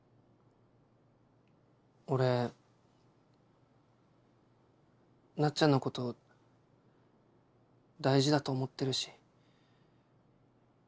俺なっちゃんのこと大事だと思ってるし。